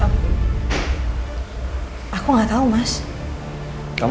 kamu kemarin yakin banget dia gak bakal ngirim bunga lagi ke kamu